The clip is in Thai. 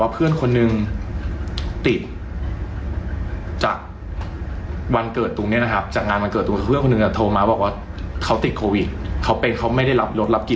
เพื่อนคนหนึ่งก็โทรมาบอกว่าเขาติดโควิดเขาเป็นเขาไม่ได้รับรถรับกิจ